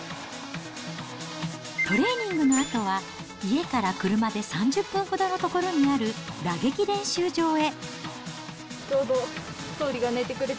トレーニングのあとは、家から車で３０分ほどの所にある打撃練習場へ。